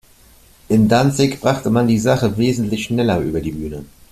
In Danzig brachte man die Sache wesentlich schneller über die Bühne.